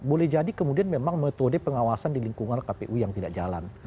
boleh jadi kemudian memang metode pengawasan di lingkungan kpu yang tidak jalan